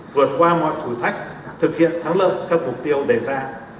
vượt qua mọi thử thách thực hiện thắng lợi các mục tiêu đề ra